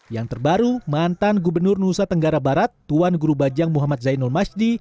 yang terbaru mantan gubernur nusa tenggara barat tuan guru bajang muhammad zainul masdi